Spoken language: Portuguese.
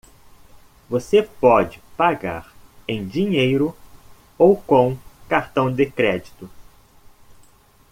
Você pode pagar em dinheiro ou com cartão de crédito.